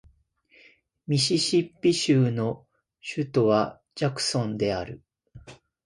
ミシシッピ州の州都はジャクソンである